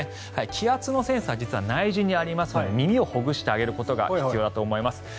気圧のセンサー実は内耳にありますので耳をほぐしてあげることが必要だと思います。